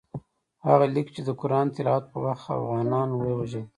هغه لیکي چې د قرآن تلاوت په وخت اوغانیان ووژل.